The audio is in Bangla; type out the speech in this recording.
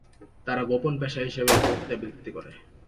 তারা গোপন পেশা হিসেবে পতিতাবৃত্তি করে।